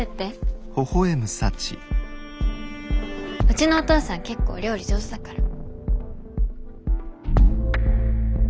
うちのお父さん結構料理上手だから。